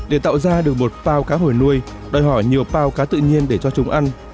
để tạo ra được một phao cá hồi nuôi đòi hỏi nhiều bao cá tự nhiên để cho chúng ăn